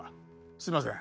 すみません